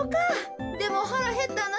でもはらへったな。